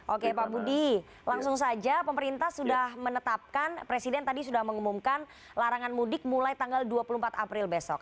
oke pak budi langsung saja pemerintah sudah menetapkan presiden tadi sudah mengumumkan larangan mudik mulai tanggal dua puluh empat april besok